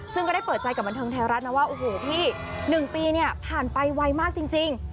ซึ่งก็ได้เปิดใจกับบันเทิงไทยรัฐนะว่าโอ้โหพี่๑ปีเนี่ยผ่านไปไวมากจริง